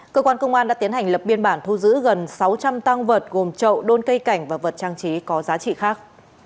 cơ quan công an đã tiến hành lập biên bản thu giữ gần sáu trăm linh tăng vật gồm trậu đôn cây cảnh và vật trang trí có giá trị khác